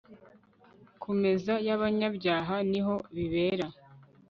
kumeza yabanyabyaha ni ho bibera